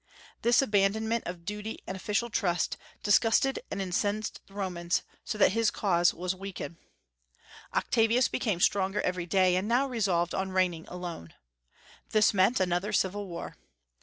This abandonment of duty and official trust disgusted and incensed the Romans, so that his cause was weakened. Octavius became stronger every day, and now resolved on reigning alone. This meant another civil war.